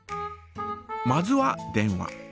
まずは電話。